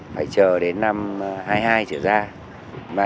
phải chờ đến năm hai nghìn hai mươi hai trở ra